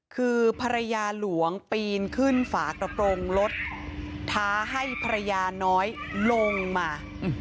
คือภรรยาหลวงปีนขึ้นฝากระโปรงรถท้าให้ภรรยาน้อยลงมา